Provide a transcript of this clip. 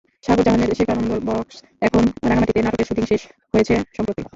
সাগর জাহানের সেকান্দর বক্স এখন রাঙ্গামাটিতে নাটকের শুটিং শেষ হয়েছে সম্প্রতি।